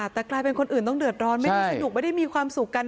แต่กลายเป็นคนอื่นต้องเดือดร้อนไม่ได้สนุกไม่ได้มีความสุขกัน